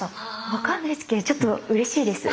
分かんないですけどちょっとうれしいです。